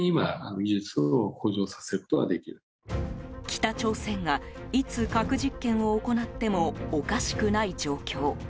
北朝鮮がいつ、核実験を行ってもおかしくない状況。